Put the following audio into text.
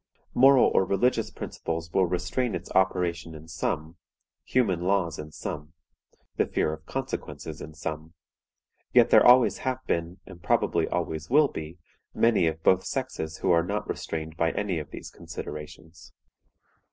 Moral or religious principles will restrain its operations in some; human laws in some; the fear of consequences in some; yet there always have been, and probably always will be, many of both sexes who are not restrained by any of these considerations.